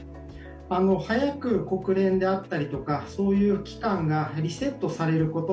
早く国連であったり、そういう機関がリセットされること